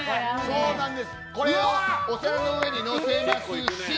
これをお皿の上にのせますしー